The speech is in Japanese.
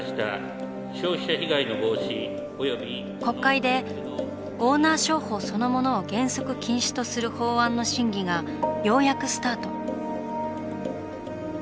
国会でオーナー商法そのものを原則禁止とする法案の審議がようやくスタート。